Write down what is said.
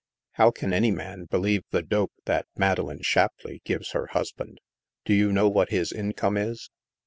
How can any man believe the dope that Madeleine Shapleigh gives her hus band ? Do you know what his income is